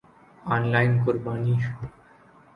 on line قربانی